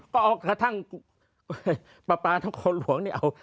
ก็ครั้งประปาทั้งคนหลวงเนี่ย